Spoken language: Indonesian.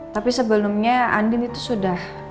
tapi sebelumnya andin itu sudah